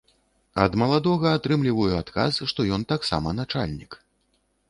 Ад маладога атрымліваю адказ, што ён таксама начальнік.